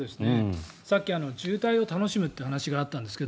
さっき、渋滞を楽しむという話があったんですが。